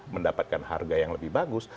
mendapatkan harga yang lebih bagus